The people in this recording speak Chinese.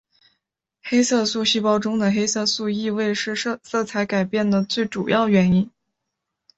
黑色素细胞中的黑色素易位是色彩改变的最主要原因。